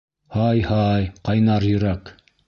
Һай-һай, ҡайнар йөрәк!